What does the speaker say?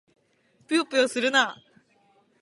ぷよぷよするな！